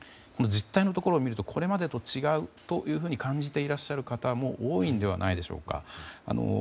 その実態のところを見るとこれまでと違うと感じてらっしゃる方も多いのではないでしょうか。